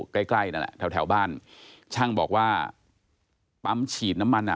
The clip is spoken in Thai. ใกล้ใกล้นั่นแหละแถวแถวบ้านช่างบอกว่าปั๊มฉีดน้ำมันอ่ะ